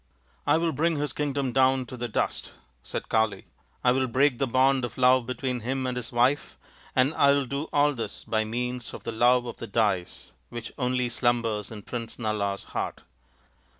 " I will bring his kingdom down to the dust," said Kali. " I will break the bond of love between him and his wife, and I will do all this by means of the love of the dice, which only slumbers in Prince Nala's heart.